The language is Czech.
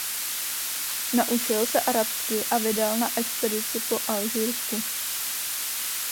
Naučil se arabsky a vydal na expedici po Alžírsku.